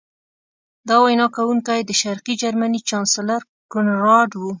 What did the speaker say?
دا وینا کوونکی د شرقي جرمني چانسلر کونراډ و